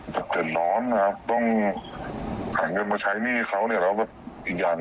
กะเตียดร้อนครับต้องฝากเงินมาใช้หนี้เขาเนี่ย